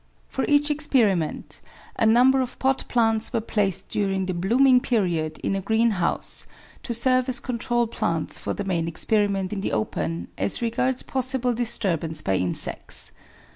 For each experiment a number of pot plants were placed during the blooming period in a greenhouse, to serve as control plants for the main experiment in the open as regards possible disturbance by insects.